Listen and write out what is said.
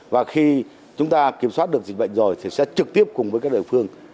và khi chúng ta kiểm soát được dịch bệnh rồi thì sẽ trực tiếp cùng với các địa phương